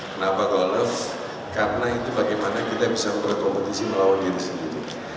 kenapa golf karena itu bagaimana kita bisa berkompetisi melawan diri sendiri